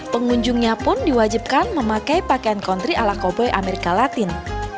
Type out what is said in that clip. pengunjungnya pun diwajibkan memakai pakaian kontri ala koboi amerika latin